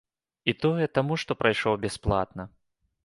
І тое, таму што прайшоў бясплатна.